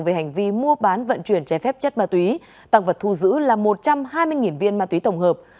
về hành vi mua bán vận chuyển trái phép chất ma túy tăng vật thu giữ là một trăm hai mươi viên ma túy tổng hợp